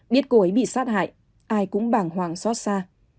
biết cô ấy bị sát hại ai cũng bàng hoàng xót xa